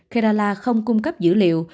kerala không cung cấp dữ liệu